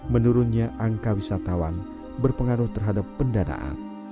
menurunnya angka wisatawan berpengaruh terhadap pendanaan